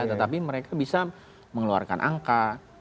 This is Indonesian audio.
tetapi mereka bisa mengeluarkan angka